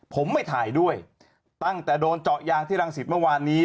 ผมไม่ถ่ายด้วยตั้งแต่โดนเจาะยางที่รังสิตเมื่อวานนี้